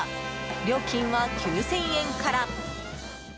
料金は９０００円から。